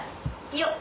よっ！